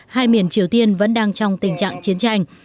hai miền triều tiên vẫn đang trong tình trạng chiến tranh